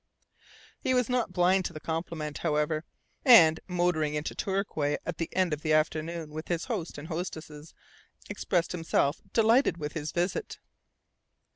He was not blind to the compliment, however; and, motoring into Torquay at the end of the afternoon with his host and hostess, expressed himself delighted with his visit.